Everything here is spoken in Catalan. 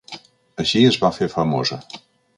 Així es va fer famosa.